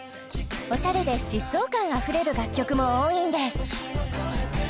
オシャレで疾走感あふれる楽曲も多いんです